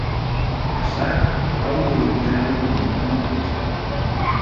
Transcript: Demà passat na Clàudia i en Telm aniran al metge.